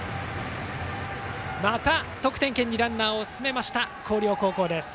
また得点圏にランナーを進めた広陵高校です。